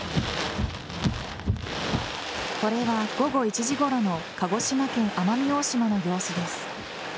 これは午後１時ごろの鹿児島県奄美大島の様子です。